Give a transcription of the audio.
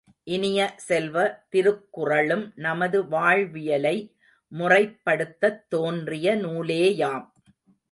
இனிய செல்வ, திருக்குறளும் நமது வாழ்வியலை முறைப்படுத்தத் தோன்றிய நூலேயாம்.